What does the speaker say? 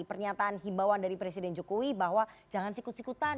pernyataan himbauan dari presiden jokowi bahwa jangan sikut sikutan